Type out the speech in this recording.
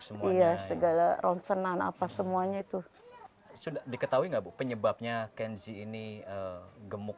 segala ronsenan apa semuanya itu sudah diketahui nggak bu penyebabnya kenzi ini gemuk